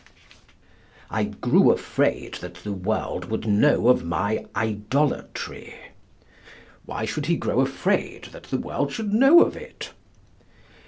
"I grew afraid that the world would know of my idolatry." Why should he grow afraid that the world should know of it?